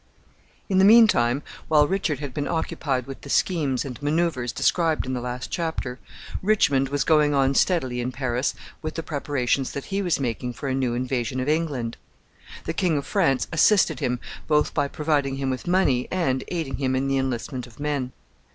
In the mean time, while Richard had been occupied with the schemes and manoeuvres described in the last chapter, Richmond was going on steadily in Paris with the preparations that he was making for a new invasion of England. The King of France assisted him both by providing him with money and aiding him in the enlistment of men.